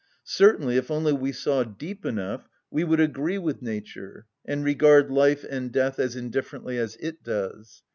Certainly, if only we saw deep enough, we would agree with nature, and regard life and death as indifferently as it does.